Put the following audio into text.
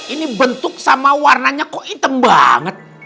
ini bentuk sama warnanya kok hitam banget